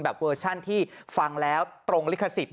เวอร์ชันที่ฟังแล้วตรงลิขสิทธิ